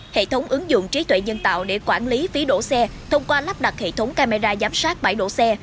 hệ thống ứng dụng trí tuệ nhân tạo để quản lý phí đổ xe thông qua lắp đặt hệ thống camera giám sát bãi đỗ xe